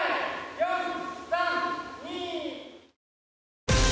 ４３２。